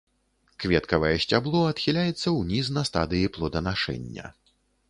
Кветкавае сцябло адхіляецца ўніз на стадыі плоданашэння.